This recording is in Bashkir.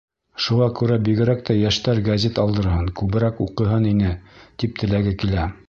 Шуға күрә бигерәк тә йәштәр гәзит алдырһын, күберәк уҡыһын ине, — тип теләге килә.